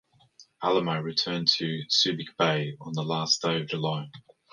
"Alamo" returned to Subic Bay on the last day of July.